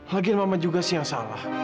lagian mama juga sih yang salah